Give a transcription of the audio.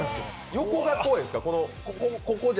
横が怖いんですか？